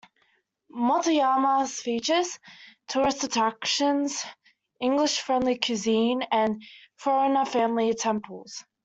Motoyama features tourist attractions, English friendly cuisine, and foreigner-friendly temples.